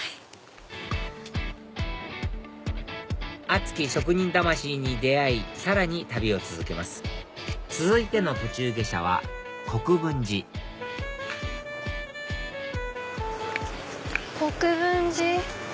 熱き職人魂に出会いさらに旅を続けます続いての途中下車は国分寺国分寺。